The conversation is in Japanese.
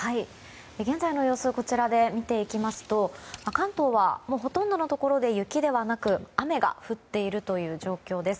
現在の様子をこちらで見ていきますと関東はほとんどのところで雪ではなく雨が降っているという状況です。